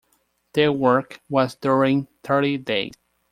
Their work was during thirty days.